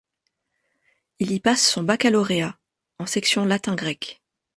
Il y passe son baccalauréat, en section latin-grec.